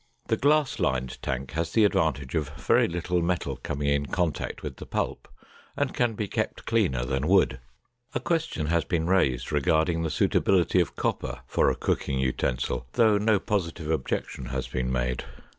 The glass lined tank has the advantage of very little metal coming in contact with the pulp and can be kept cleaner than wood. A question has been raised regarding the suitability of copper for a cooking utensil, though no positive objection has been made.